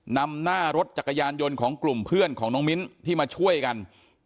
นำหน้ารถจักรยานยนต์ของกลุ่มเพื่อนของน้องมิ้นที่มาช่วยกัน